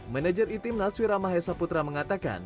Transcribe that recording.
manager etimnas wira mahesa putra mengatakan